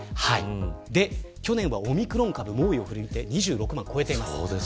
去年はオミクロン株が猛威を振るって２６万人を超えました。